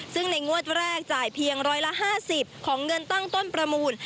ซึ่งในงวดแรกจ่ายเพียงร้อยละ๕๐ของเงินตั้งต้นประมูล